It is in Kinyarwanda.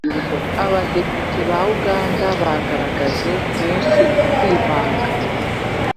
abadepite ba uganda bagaragaje kenshi ukwivanga